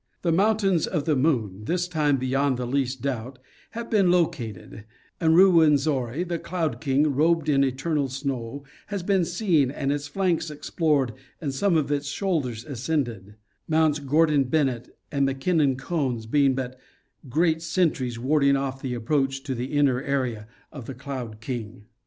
The Mountains of the Moon, this time beyond the least doubt, have been located, and Ruwenzori, ' The Cloud King,' robed in eternal snow, has been seen and its flanks explored and some of its shoulders ascended, Mounts Gordon Bennett and MacKin nan Cones being but great sentries warding off the approach to the inner area of 'The Cloud King.